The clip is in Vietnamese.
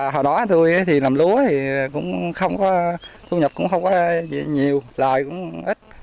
hồi đó tôi làm lúa thì thu nhập cũng không có nhiều lợi cũng ít